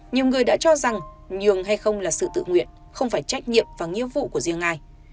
nhiều người đã cho rằng nhường hay không là sự tự nguyện không phải trách nhiệm và nghĩa vụ của riêng ai